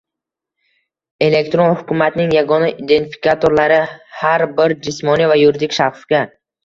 elektron hukumatning yagona identifikatorlari — har bir jismoniy va yuridik shaxsga